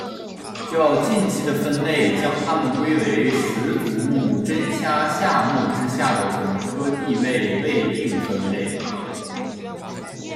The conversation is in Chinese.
较近期的分类将它们归为十足目真虾下目之下的总科地位未定分类。